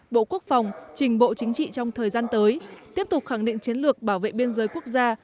bộ quốc phòng trình bộ chính trị trong thời gian tới tiếp tục khẳng định chiến lược bảo vệ biên giới quốc gia